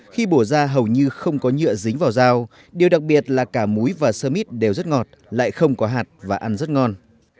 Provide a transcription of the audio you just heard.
khi bổ ra hầu như không có nhựa dính vào dao điều đặc biệt là cả muối và sơ mít đều rất ngọt lại không có hạt và ăn rất ngon